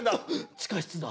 地下室だ。